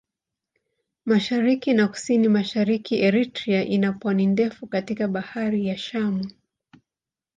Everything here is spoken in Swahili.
Mashariki na Kusini-Mashariki Eritrea ina pwani ndefu katika Bahari ya Shamu.